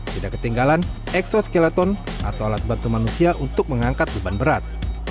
tidak ketinggalan eksoskeleton atau alat bantu manusia untuk mengangkat beban berat